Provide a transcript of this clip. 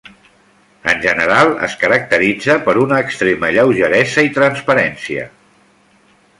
En general es caracteritza per una extrema lleugeresa i transparència.